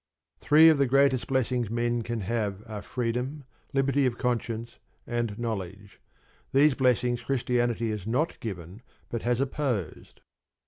Three of the greatest blessings men can have are freedom, liberty of conscience, and knowledge. These blessings Christianity has not given, but has opposed.